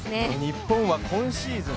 日本は今シーズン